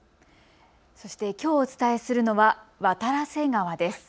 そしてきょうお伝えするのは渡良瀬川です。